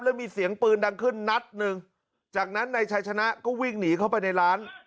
แล้วมีเสียงปืนดังขึ้นนัดหนึ่งจากนั้นนายชัยชนะก็วิ่งหนีเข้าไปในร้าน